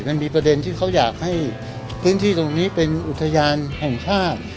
มันมีประเด็นที่เขาอยากให้พื้นที่ตรงนี้เป็นอุทยานแห่งชาติ